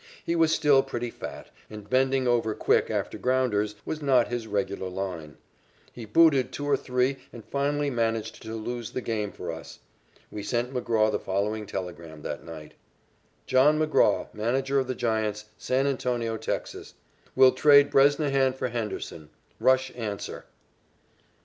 He was still pretty fat, and bending over quick after grounders was not his regular line. He booted two or three and finally managed to lose the game for us. We sent McGraw the following telegram that night: "John McGraw, manager of the Giants, San Antonio, Texas: "Will trade Bresnahan for Henderson. Rush answer."